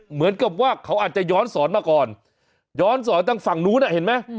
เหมือนกับว่าเขาอาจจะย้อนสอนมาก่อนย้อนสอนทางฝั่งนู้นอ่ะเห็นไหม